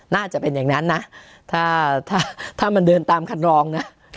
น่าจะเป็นอย่างนั้นนะถ้าถ้ามันเดินตามคันรองนะ